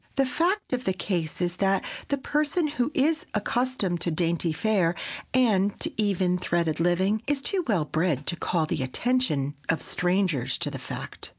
The fact of the case is that the person who is accustomed to dainty fare, and to even threaded living, is too well bred to call the attention of strangers to the fact.